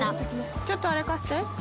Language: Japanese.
ちょっとあれ貸して。